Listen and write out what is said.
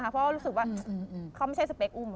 เพราะว่ารู้สึกว่าเขาไม่ใช่สเปคอุ้ม